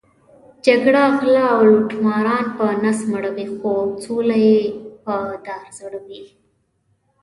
جګړه غله او لوټماران په نس مړوي، خو سوله یې په دار ځړوي.